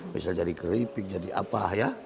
bisa jadi keripik jadi apa ya